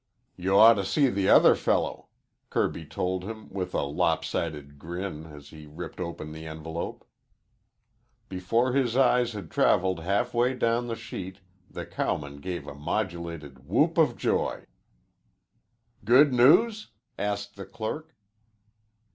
"You ought to see the other fellow," Kirby told him with a lopsided grin as he ripped open the envelope. Before his eyes had traveled halfway down the sheet the cowman gave a modulated whoop of joy. "Good news?" asked the clerk.